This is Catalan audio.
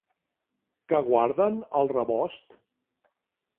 Què guarden al rebost?